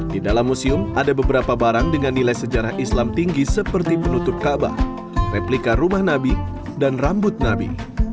di dalam museum ada beberapa barang dengan nilai sejarah islam tinggi seperti penutup kaabah replika rumah nabi dan rambut nabi